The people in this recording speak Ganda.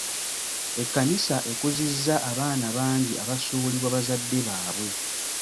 Ekkanisa ekuzizza abaana bangi abaasuulibwa bazadde baabwe.